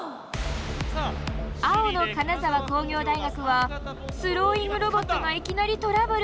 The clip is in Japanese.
青の金沢工業大学はスローイングロボットがいきなりトラブル！